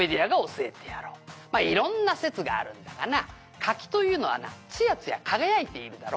「まあ色んな説があるんだがな柿というのはなツヤツヤ輝いているだろ」